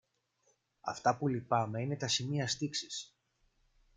Αυτά που λυπάμαι είναι τα σημεία στίξης